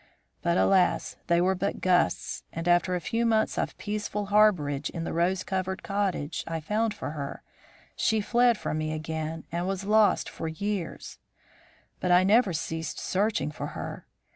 But, alas! they were but gusts, and after a few months of peaceful harbourage in the rose covered cottage I found for her, she fled from me again and was lost for years. But I never ceased searching for her.